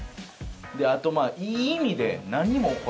であとまあいい意味で。